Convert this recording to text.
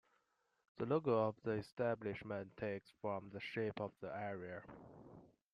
The logo of the establishment takes from the shape of the area.